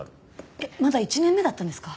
えっまだ１年目だったんですか？